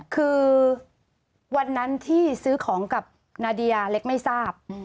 คือวันนั้นที่ซื้อของกับนาเดียเล็กไม่ทราบ